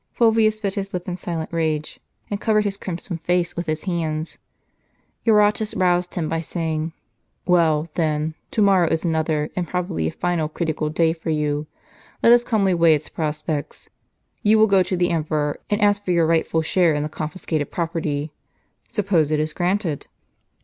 Fulvius bit his lip in silent rage, and covered his crimson face with his hands. Eurotas roused him by saying :" Well, then, to morrow is another, and probably a final critical day for you. Let us calmly weigh its prospects. You will go to the emperor, and ask for your rightful share in the confiscated property. Suppose it is granted?"